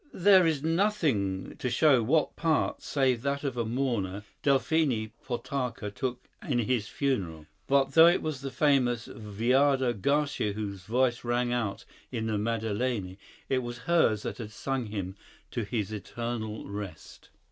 There is nothing to show what part, save that of a mourner, Delphine Potocka took in his funeral. But though it was the famous Viardot Garcia whose voice rang out in the Madeleine, it was hers that had sung him to his eternal rest.